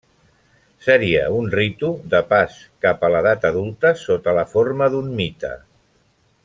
Seria un ritu de pas cap a l'edat adulta sota la forma d'un mite.